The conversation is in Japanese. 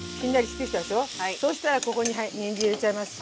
そうしたらここにはいにんじん入れちゃいます。